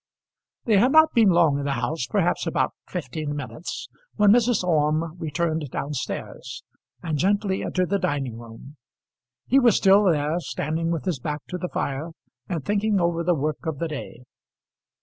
They had not been long in the house, perhaps about fifteen minutes, when Mrs. Orme returned down stairs and gently entered the dining room. He was still there, standing with his back to the fire and thinking over the work of the day.